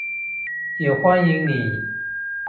也歡迎你